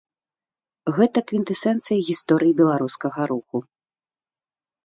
Гэта квінтэсэнцыя гісторыі беларускага руху.